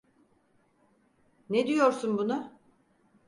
Ne diyorsun buna?